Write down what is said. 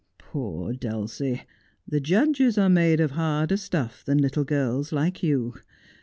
' Poor Dulcie. The judges are made of harder stuff than little girls like you.